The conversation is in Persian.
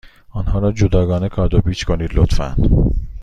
آنها را جداگانه کادو پیچ کنید، لطفا.